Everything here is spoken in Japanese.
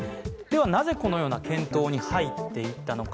なぜこのような検討に入っていったのか。